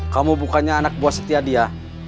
kamu bukannya anak buah setia dia